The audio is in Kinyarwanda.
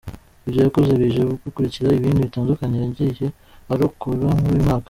Ivyo yakoze bije bikurikira ibindi bitandukanye yagiye arakora muri uyu mwaka.